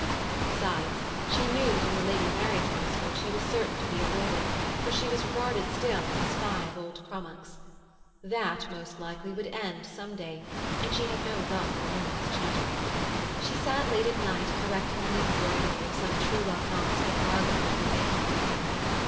Besides, she knew that in the Lady Mary's household she was certain to be avoided, for she was regarded still as a spy of old Crummock's. That, most likely, would end some day, and she had no love for women's chatter. She sat late at night correcting the embroidery of some true love knots that Margot had been making for her.